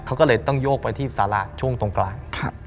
เขาก็เลยต้องโยกไปที่สาระช่วงตรงกลาง